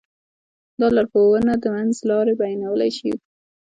دا لارښوونه د منځ لاره بيانولی شو.